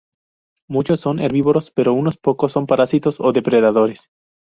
Muchos son herbívoros, pero unos pocos son parásitos o depredadores.